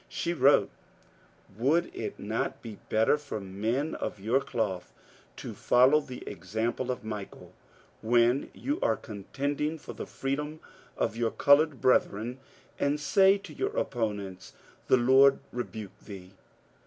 She wrote :— Would it not be better for men of your cloth to follow the example of Michael when you are contending for the f reedbm of your coloured brethren, and say to your opponents, " The Lord rebuke thee